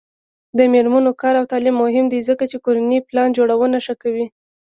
د میرمنو کار او تعلیم مهم دی ځکه چې کورنۍ پلان جوړونه ښه کوي.